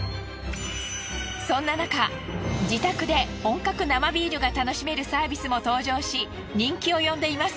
そんななか自宅で本格生ビールが楽しめるサービスも登場し人気を呼んでいます。